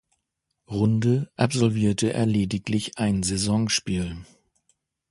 Runde absolvierte er lediglich ein Saisonspiel.